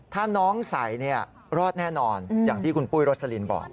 ถ้าน้องใส่เนี่ยรอดแน่นอนอย่างที่คุณปุ้ยโรสลินบอก